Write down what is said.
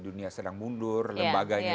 dunia sedang mundur lembaganya